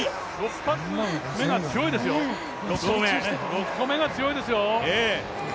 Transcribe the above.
６投目が強いですよ。